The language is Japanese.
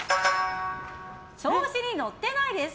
調子に乗ってないです。